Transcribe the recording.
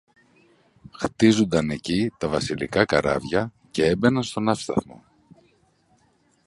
χτίζουνταν εκεί τα βασιλικά καράβια κι έμπαιναν στο ναύσταθμο.